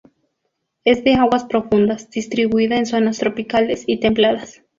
Es de aguas profundas, distribuida en zonas tropicales y templadas.